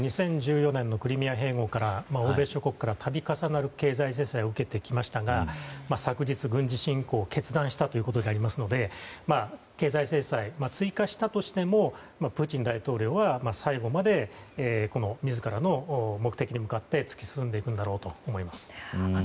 ２０１４年のクリミア併合から欧米諸国から度重なる経済制裁を受けてきましたが昨日、軍事侵攻を決断したということでありますので経済制裁、追加したとしてもプーチン大統領は最後まで自らの目的に向かって突き進んでいくんだろうと思います。